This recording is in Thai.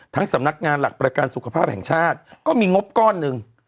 สำนักงานหลักประกันสุขภาพแห่งชาติก็มีงบก้อนหนึ่ง